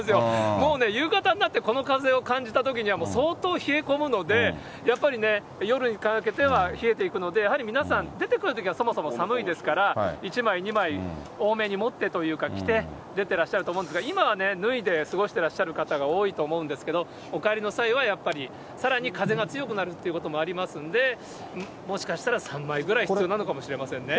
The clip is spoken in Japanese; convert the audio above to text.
もうね、夕方になって、この風を感じたときには、もう相当冷え込むので、やっぱりね、夜にかけては冷えていくので、やはり皆さん、出てくるときは、そもそも寒いですから、１枚、２枚多めに持ってというか、着て、出てらっしゃると思うんですが、今はね、脱いで過ごしてらっしゃる方が多いと思うんですけど、お帰りの際は、やっぱりさらに風が強くなるってこともありますんで、もしかしたら３枚ぐらい必要なのかもしれませんね。